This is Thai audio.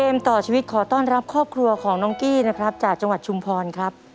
ต่อชีวิตขอต้อนรับครอบครัวของน้องกี้นะครับจากจังหวัดชุมพรครับ